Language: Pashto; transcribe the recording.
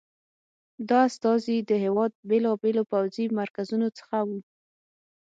دا استازي د هېواد بېلابېلو پوځي مرکزونو څخه وو.